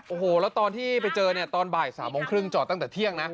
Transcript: โอ้โหแล้วตอนที่ไปเจอเนี่ยตอนบ่าย๓โมงครึ่งจอดตั้งแต่เที่ยงนะ